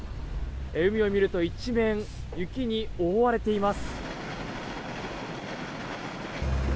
海を見ると一面、雪に覆われています。